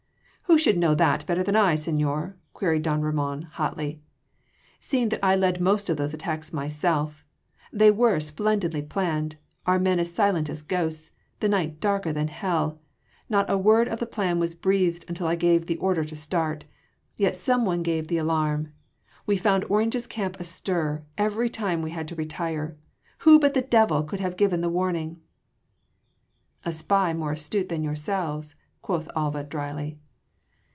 "Who should know that better than I, señor?" queried don Ramon hotly, "seeing that I led most of those attacks myself they were splendidly planned, our men as silent as ghosts, the night darker than hell. Not a word of the plan was breathed until I gave the order to start. Yet someone gave the alarm. We found Orange’s camp astir every time we had to retire. Who but the devil could have given the warning?" "A spy more astute than yourselves," quoth Alva dryly.